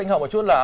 anh hỏi một chút là